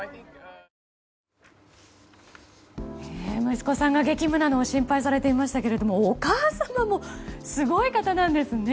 息子さんが激務なのを心配されていましたけどお母様もすごい方なんですね。